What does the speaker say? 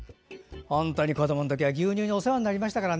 子どもの時って牛乳にお世話になりましたからね。